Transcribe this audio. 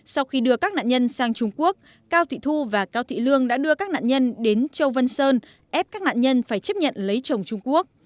sau khi đưa các nạn nhân sang trung quốc cao thị thu và cao thị lương đã đưa các nạn nhân đến châu vân sơn ép các nạn nhân phải chấp nhận lấy chồng trung quốc